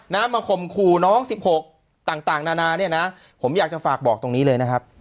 มาข่มขู่น้องสิบหกต่างต่างนานาเนี่ยนะผมอยากจะฝากบอกตรงนี้เลยนะครับ